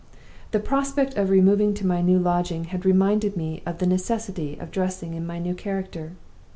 The prospect of removing to my new lodging had reminded me of the necessity of dressing in my new character.